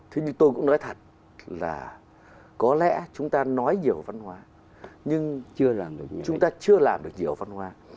thế nhưng tôi cũng nói thật là có lẽ chúng ta nói nhiều văn hóa nhưng chúng ta chưa làm được nhiều văn hóa